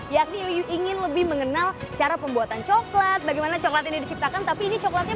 yakni ingin lebih mengenal cara pembuatan coklat bagaimana coklat ini diciptakan tapi ini coklatnya